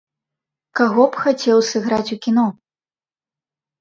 Каго б хацеў сыграць у кіно?